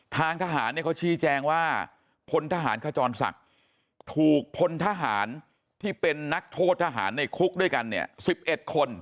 ทางทหารเนี่ยเขาชี้แจงว่าพลทหารขจรศักดิ์ถูกพลทหารที่เป็นนักโทษทหารในคุกด้วยกันเนี่ย๑๑คน